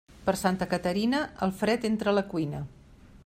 Per Santa Caterina, el fred entra a la cuina.